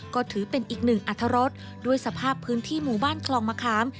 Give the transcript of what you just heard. ก็ถือเป็นอีกหนึ่งอรรถรสด้วยสภาพพื้นที่หมู่บ้านคลองมะขาม